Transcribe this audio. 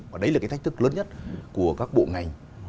và đấy là cái thách thức lớn nhất của các bộ ngành